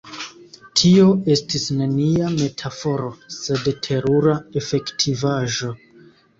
Tio estis nenia metaforo, sed terura efektivaĵo.